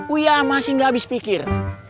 uya masih engga habis pikir